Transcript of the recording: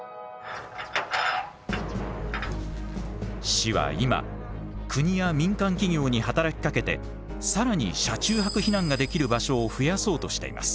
市は今国や民間企業に働きかけて更に車中泊避難ができる場所を増やそうとしています。